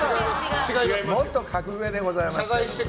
もっと格上でございます。